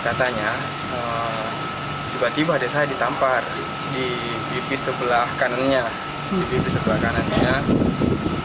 katanya tiba tiba desa ditampar di pipi sebelah kanannya di pipi sebelah kanannya dan setelah itu